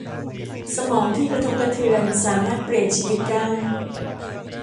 สมองที่กระทบกระเทือนสามารถเปลี่ยนชีวิตได้